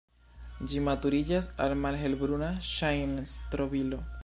Ĝi maturiĝas al malhelbruna ŝajn-strobilo.